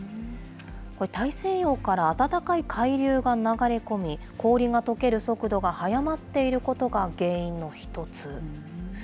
これ、大西洋から暖かい海流が流れ込み、氷がとける速度が速まっていることが原因の一つ。